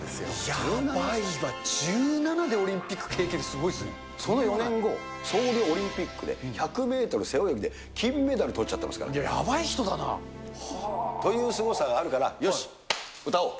やばいわ、１７でオリンピッその４年後、ソウルオリンピックで１００メートル背泳ぎで金メダルとっちゃっやばい人だな。というすごさがあるから、よし、歌おう。